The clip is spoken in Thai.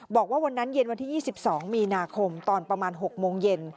บอกว่าวันนั้นเย็นวันที่๒๒มีนาคมตอนประมาณ๖โมงเย็น